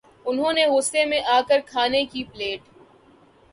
انھوں نے غصے میں آ کر کھانے کی پلیٹ